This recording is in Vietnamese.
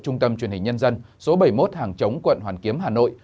trung tâm truyền hình nhân dân số bảy mươi một hàng chống quận hoàn kiếm hà nội